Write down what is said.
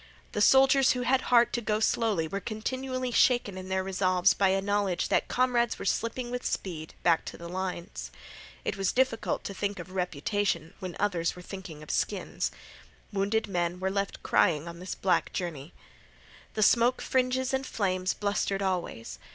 The soldiers who had heart to go slowly were continually shaken in their resolves by a knowledge that comrades were slipping with speed back to the lines. It was difficult to think of reputation when others were thinking of skins. Wounded men were left crying on this black journey. The smoke fringes and flames blustered always.